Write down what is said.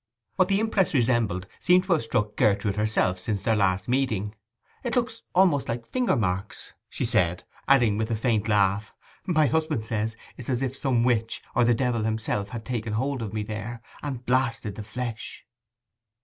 What the impress resembled seemed to have struck Gertrude herself since their last meeting. 'It looks almost like finger marks,' she said; adding with a faint laugh, 'my husband says it is as if some witch, or the devil himself, had taken hold of me there, and blasted the flesh.